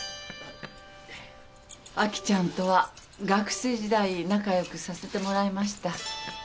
アキちゃんとは学生時代仲良くさせてもらいました。